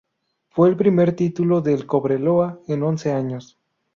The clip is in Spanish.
Fue el primer título del Cobreloa en once años.